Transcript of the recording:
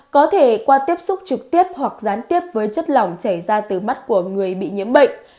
có thể qua tiếp xúc trực tiếp hoặc gián tiếp với chất lỏng chảy ra từ mắt của người bị nhiễm bệnh